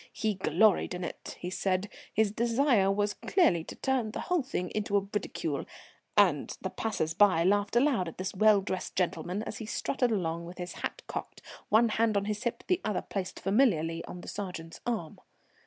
He gloried in it, he said; his desire was clearly to turn the whole thing into ridicule, and the passers by laughed aloud at this well dressed gentleman, as he strutted along with his hat cocked, one hand on his hip, the other placed familiarly on the sergeant's arm.